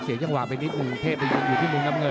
เสียจังหวักไปนิดมึง